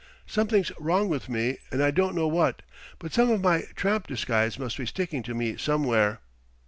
Something's wrong with me, and I don't know what, but some of my tramp disguise must be sticking to me somewhere.'